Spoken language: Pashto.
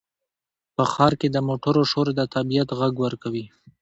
په ښار کې د موټرو شور د طبیعت غږ ورکوي.